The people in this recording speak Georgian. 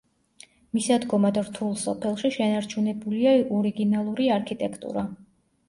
მისადგომად რთულ სოფელში შენარჩუნებულია ორიგინალური არქიტექტურა.